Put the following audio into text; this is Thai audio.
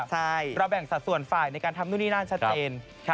คือเราแบ่งสัดส่วนฝ่ายในการทำด้วยนี่หน้าชัดเจน